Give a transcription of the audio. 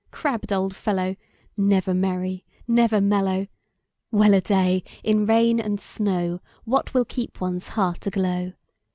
crabbed old fellow, Never merry, never mellow! Well a day! in rain and snowWhat will keep one's heart aglow?